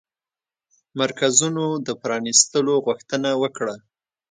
مرکزونو د پرانيستلو غوښتنه وکړه